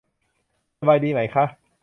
สบายดีไหมค่ะ